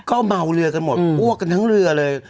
ก็เมาเรือกันหมดอ้วกกันทั้งเรือเลย